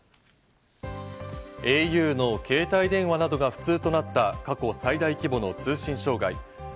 ａｕの携帯電話などが不通となった過去最大規模の通信障害。